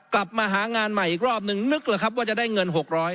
กลับมาหางานใหม่อีกรอบนึงนึกหรือครับว่าจะได้เงิน๖๐๐